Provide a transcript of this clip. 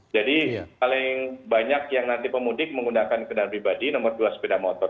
jadi paling banyak yang nanti pemudik menggunakan kendaraan pribadi nomor dua sepeda motor